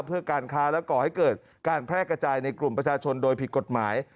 เพื่อการค้าและก่อให้เกิดการแพร่กระจายในกลุ่มประชาชนโดยผิดกฎหมาย